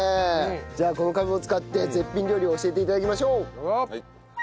じゃあこのカブを使って絶品料理を教えて頂きましょう。